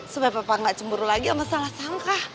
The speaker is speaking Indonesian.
supaya papa gak cemburu lagi sama salah sangka